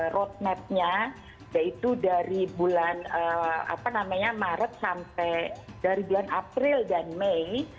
road map nya yaitu dari bulan apa namanya maret sampai dari bulan april dan mei